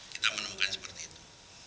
kita menemukan seperti itu